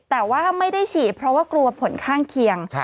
แต่ว่าไม่ได้ฉีดเพราะว่ากลัวผลข้างเคียง